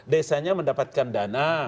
desanya mendapatkan dana